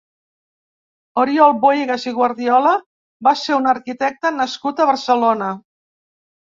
Oriol Bohigas i Guardiola va ser un arquitecte nascut a Barcelona.